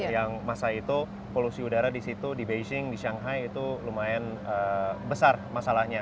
yang masa itu polusi udara di situ di beijing di shanghai itu lumayan besar masalahnya